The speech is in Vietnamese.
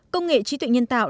công nghệ trí tuệ nhân tạo